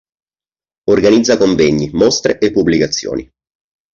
Organizza convegni, mostre e pubblicazioni.